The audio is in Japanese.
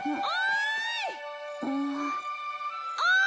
ああ。